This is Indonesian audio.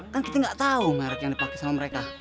kan kita gak tau merek yang dipake sama mereka